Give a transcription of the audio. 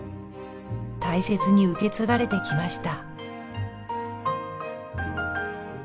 大切に受け継がれてきました。